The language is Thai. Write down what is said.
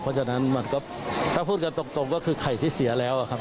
เพราะฉะนั้นมันก็ถ้าพูดกันตรงก็คือไข่ที่เสียแล้วครับ